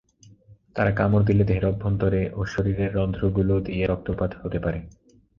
তারা কামড় দিলে, দেহের অভ্যন্তরে ও শরীরের রন্ধ্রগুলো দিয়ে রক্তপাত হতে পারে।